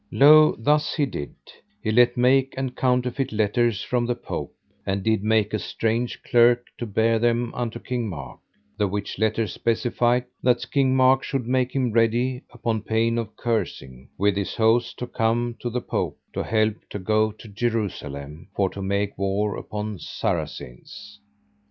Lo thus he did: he let make and counterfeit letters from the Pope, and did make a strange clerk to bear them unto King Mark; the which letters specified that King Mark should make him ready, upon pain of cursing, with his host to come to the Pope, to help to go to Jerusalem, for to make war upon the Saracens.